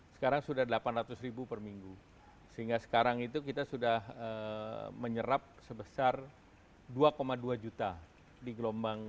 sekarang sudah delapan ratus ribu per minggu sehingga sekarang itu kita sudah menyerap sebesar dua dua juta di gelombang